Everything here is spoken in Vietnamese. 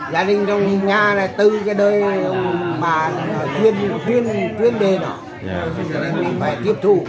gia đình trong nhà này tư cái đời mà chuyên đề đó cho nên mình phải tiếp thu